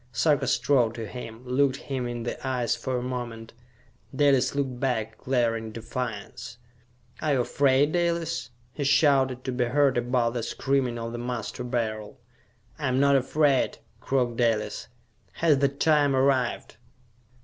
Sarka strode to him, looked him in the eyes for a moment. Dalis looked back, glaring defiance. "Are you afraid, Dalis?" he shouted, to be heard above the screaming of the Master Beryl. "I am not afraid," croaked Dalis. "Has the time arrived?"